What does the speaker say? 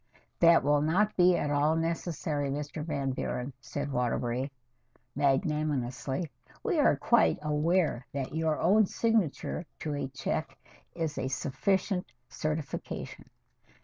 "That will not be at all necessary, Mr. Van Buren," said Waterbury magnanimously. "We are quite aware that your own signature to a check is a sufficient certification."